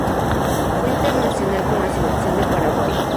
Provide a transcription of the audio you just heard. Fue internacional con la Selección de Paraguay.